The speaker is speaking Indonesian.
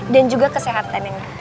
dan juga kesehatan yang baik